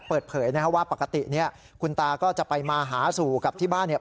เปิดเผยนะครับว่าปกติเนี่ยคุณตาก็จะไปมาหาสู่กับที่บ้านเนี่ย